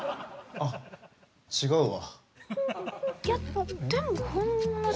あっ違うわ。